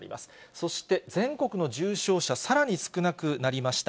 そして全国の重症者、さらに少なくなりました。